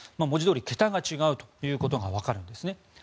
文字どおり桁が違うということがわかるんですね。